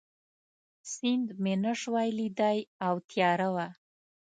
سیند مې نه شوای لیدای او تیاره وه.